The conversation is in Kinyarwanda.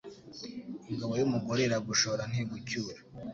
Ingabo y’umugore iragushora ntigucyura